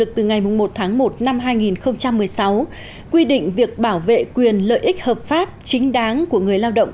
từ ngày một tháng một năm hai nghìn một mươi sáu quy định việc bảo vệ quyền lợi ích hợp pháp chính đáng của người lao động